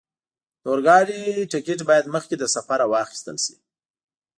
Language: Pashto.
د اورګاډي ټکټ باید مخکې له سفره واخستل شي.